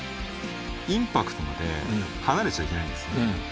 インパクトまで離れちゃいけないんですよ。